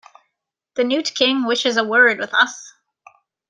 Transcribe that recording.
The newt king wishes a word with us.